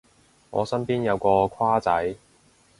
我身邊有個跨仔